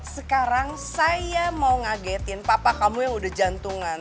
sekarang saya mau ngagetin papa kamu yang udah jantungan